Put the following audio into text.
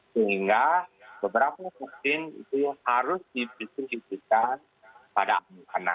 sehingga beberapa vaksin itu harus diberikan ke anak anak yang muda